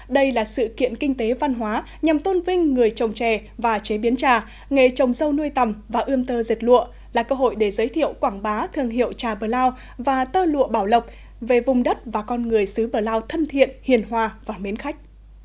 đây là sự kiện kinh tế văn hóa nhằm tôn vinh người trồng trè và chế biến trà nghề trồng dâu nuôi tầm và ươm tơ dệt lụa là cơ hội để giới thiệu quảng bá thương hiệu trà bờ lao và tơ lụa bảo lộc về vùng đất và con người xứ bờ lao thân thiện hiền hòa và mến khách